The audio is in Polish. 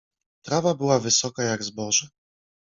Trawa była wysoka jak zboże.